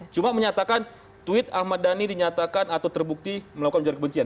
cuma menyatakan tweet ahmad dhani dinyatakan atau terbukti melakukan ujaran kebencian